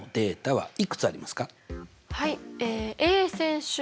はい。